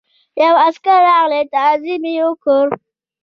یو عسکر راغی تعظیم یې وکړ.